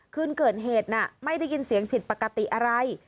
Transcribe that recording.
คืนเกิดเหตุน่ะไม่ได้ยินเสียงผิดปกติอะไร